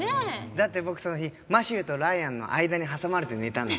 だって僕その日マシューとライアンの間に挟まれて寝たんだ。